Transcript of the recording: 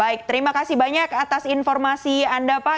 baik terima kasih banyak atas informasi anda pak